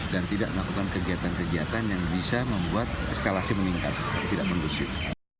dan tidak melakukan kegiatan kegiatan yang bisa membuat eskalasi meningkat tidak kondusif